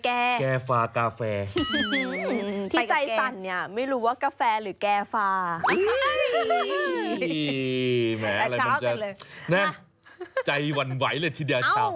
แก่แก่ฟ้ากาแฟที่ใจสั่นไม่รู้ว่ากาแฟหรือแก่ฟ้าแม่อะไรมันจะใจหวั่นไหวเลยทีเดียวเช้า